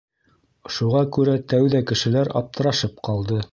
Шуға күрә тәүҙә кешеләр аптырашып ҡалды.